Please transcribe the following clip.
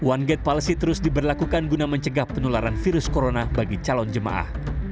one gate policy terus diberlakukan guna mencegah penularan virus corona bagi calon jemaah